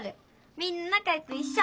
みんななかよくいっしょ！